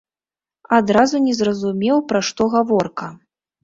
Адразу не зразумеў, пра што гаворка.